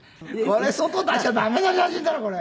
外出しちゃダメな写真だろこれ。